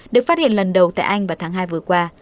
được phát hiện lần đầu tại anh vào tháng hai vừa qua